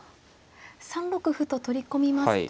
３六歩と取り込みますと。